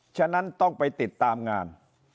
ฉะนั้นต้องไปติดตามงาน